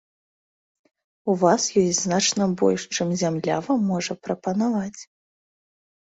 У вас ёсць значна больш, чым зямля вам можа прапанаваць.